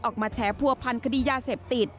ออกมาแฉพัวพันธุ์คดียาเสพติด